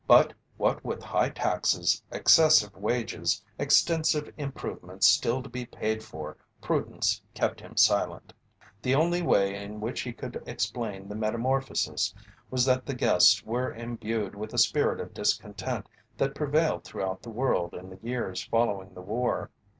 But what with high taxes, excessive wages, extensive improvements still to be paid for, prudence kept him silent. The only way in which he could explain the metamorphosis was that the guests were imbued with the spirit of discontent that prevailed throughout the world in the years following the war.